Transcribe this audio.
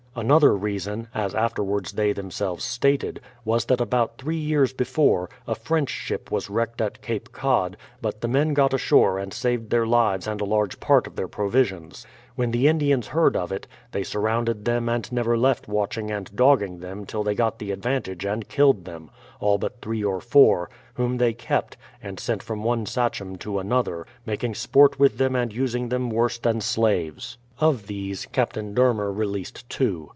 Another reason, as afterwards they themselves stated, was that about three years before, a French ship w^as wrecked at Cape Cod, but the men got ashore and saved their lives and a large part of their provisions. When the Indians heard of it, they surrounded them and never left watching and dogging them till they got the advantage and killed them, all but three or four, whom they kept, and sent from one Sachem to another, making sport with them and using them worse than slaves. Of these, Captain Dermer released two.